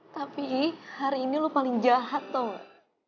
tapi hari ini lo paling jahat tau gak